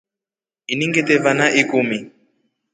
Ini ngite vana ikumi.